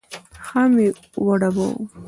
ښه مې وډباوه.